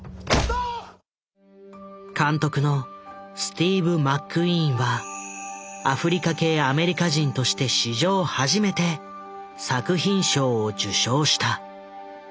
監督のスティーブ・マックイーンはアフリカ系アメリカ人として史上初めて作品賞を受賞した。